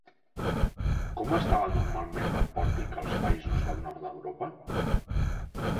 Com estava normalment el pòrtic als països del Nord d'Europa?